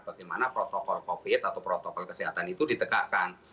bagaimana protokol covid atau protokol kesehatan itu ditegakkan